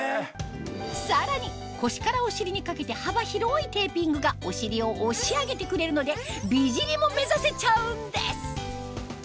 さらに腰からお尻にかけて幅広いテーピングがお尻を押し上げてくれるので美尻も目指せちゃうんです